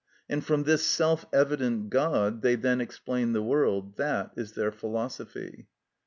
And from this self evident God they then explain the world: that is their philosophy.